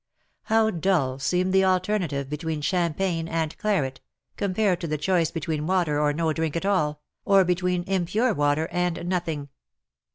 How dull seemed the alternative between champagne and claret, compared to the choice between water or no drink at all, or between impure water and nothing